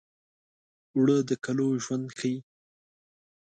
اوړه د کلو ژوند ښيي